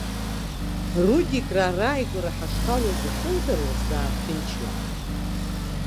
Рудикраа рааигәа ҳашҭалоз ахьылдыруаз даарҭынчуан.